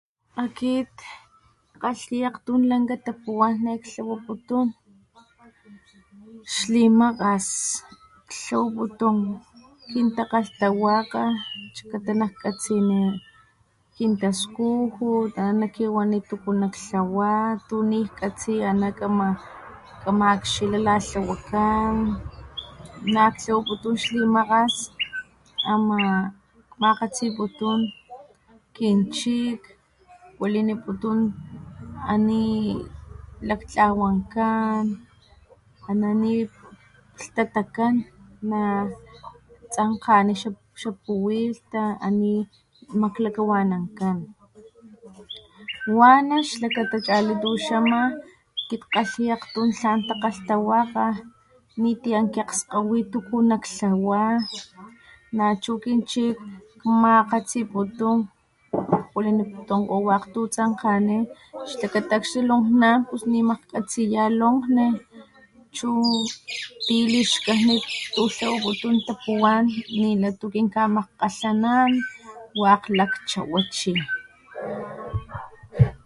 Akit kgalhi aktum langa tapuwan ne ktlawaputum kxli makgas klawaputum kin kgaltawaka slakgata nak katsini kin taskujut ana kiwanican tuku naktlawa tu nikgatsi latha kamakxila la tlawakan nak tlawaputum xli makgas ama makgatsiputum kin chikh waliniputum ani lakgtlawankan ana ni ltatacan na tsankgani xa puwilta ani makglakawanankan (thasama spitu) wana? xlakata chalituxama akit kgalhi aktum tlan takgaltawakga ni ti kin akxgahui tuku naktlawa nachu kin chik makgatsiputum waliniputunkgo tu tsankgani xlakata akxni longnan ni maklgatsiya longne chu (pasxawama spitu snun) ti lishkajnen tu tlawaputum tapuwan nina tu kinmakgalnan wak lakchawa chi cchali tuxhama kgalhi